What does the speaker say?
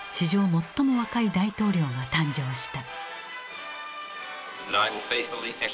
最も若い大統領が誕生した。